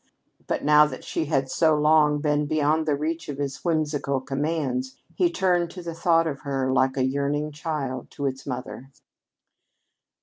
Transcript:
But now that she had so long been beyond the reach of his whimsical commands, he turned to the thought of her like a yearning child to its mother.